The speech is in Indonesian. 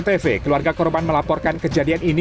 berbekal rekaman cctv keluarga korban melaporkan kejadian ini